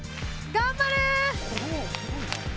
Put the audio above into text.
頑張れ！